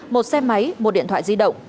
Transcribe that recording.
một xe máy một điện thoại di động